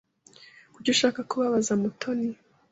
Kuki ushaka kubabaza Mutoni?